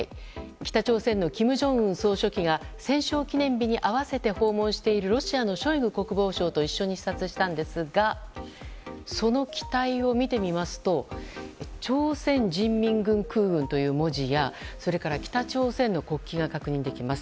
北朝鮮の金正恩総書記が戦勝記念日に合わせて訪問しているロシアのショイグ国防相と一緒に視察したんですがその機体を見てみますと「朝鮮人民軍空軍」という文字や北朝鮮の国旗が確認できます。